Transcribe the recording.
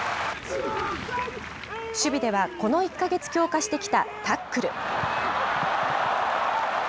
守備では、この１か月強化してきたタックル。